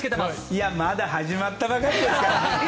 いや、まだ始まったばかりですから！